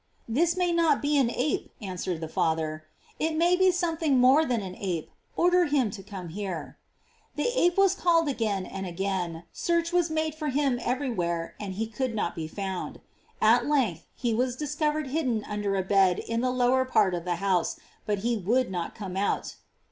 "This may not be an ape," answered the Father: "it may be something more than an ape; order him to come here." The ape was called again and again, search was made for him everywhere, and he could not be found. At length, he was discovered hidden under a bed in the lower part of the house, but he would not come out.